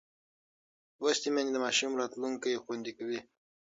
لوستې میندې د ماشوم راتلونکی خوندي کوي.